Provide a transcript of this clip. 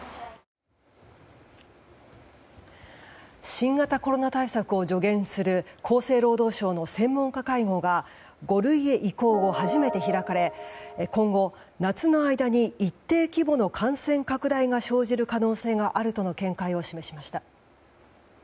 新型コロナ対策を助言する厚生労働省の専門家会合が５類へ移行後、初めて開かれ今後、夏の間に一定規模の感染拡大が生じる可能性があるとの見解を示しました。